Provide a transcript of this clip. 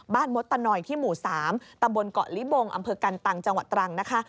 มดตะนอยที่หมู่๓ตำบลเกาะลิบงอำเภอกันตังจังหวัดตรังนะคะ